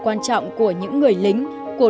quan trọng của những người lính của